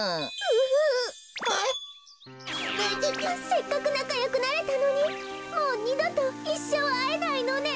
せっかくなかよくなれたのにもうにどといっしょうあえないのね。